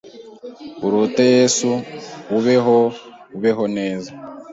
urote Yesu; ubeho, ubeho neza